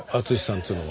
っつうのは？